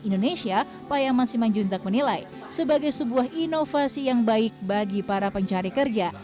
indonesia payaman simanjuntak menilai sebagai sebuah inovasi yang baik bagi para pencari kerja